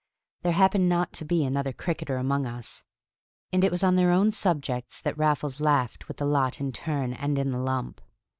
There happened not to be another cricketer among us, and it was on their own subjects that Raffles laughed with the lot in turn and in the lump.